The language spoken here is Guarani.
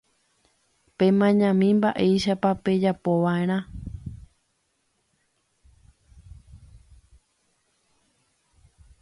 Pemañami mba'éichapa pejapova'erã